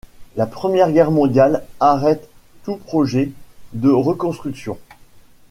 La Première Guerre mondiale arrête tout projet de reconstruction.